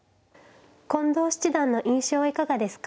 近藤七段の印象はいかがですか。